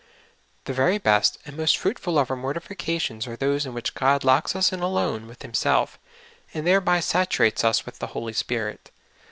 The very best and most fruit ful of our mortifications are those in which God locks us in alone with Himself, and thereby saturates uswitli the Holy Spirit.